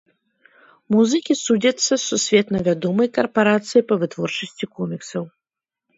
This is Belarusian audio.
Музыкі судзяцца з сусветна вядомай карпарацыяй па вытворчасці коміксаў.